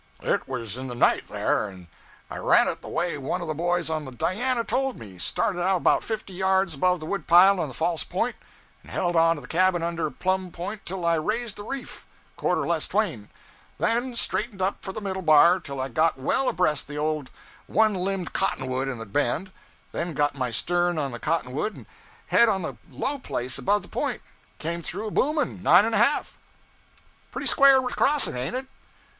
'It was in the night, there, and I ran it the way one of the boys on the "Diana" told me; started out about fifty yards above the wood pile on the false point, and held on the cabin under Plum Point till I raised the reef quarter less twain then straightened up for the middle bar till I got well abreast the old one limbed cotton wood in the bend, then got my stern on the cotton wood and head on the low place above the point, and came through a booming nine and a half.' 'Pretty square crossing, an't it?'